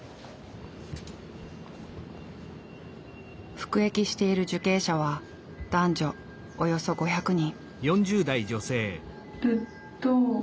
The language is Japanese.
服役している受刑者は男女およそ５００人。